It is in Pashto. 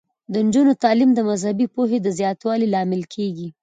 د نجونو تعلیم د مذهبي پوهې د زیاتوالي لامل کیږي.